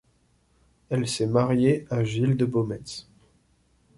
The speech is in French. Elle s'est mariée à Gilles de Beaumetz.